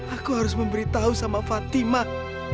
aku harus memberitahu sama fatimak